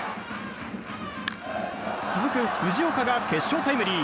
続く藤岡が決勝タイムリー。